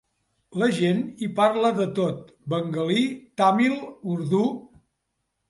La gent hi parla de tot: bengalí, tàmil, urdú...